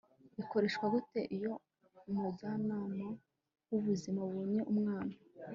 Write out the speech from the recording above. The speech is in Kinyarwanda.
ikoreshwa gute? iyo umujyanama w'ubuzima abonye umwana